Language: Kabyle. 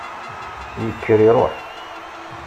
Yekker iruḥ.